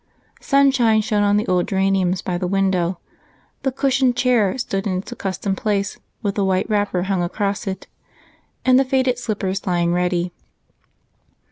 Sunshine shone on the old geraniums by the window; the cushioned chair stood in its accustomed place, with the white wrapper hung across it and the faded slippers lying ready.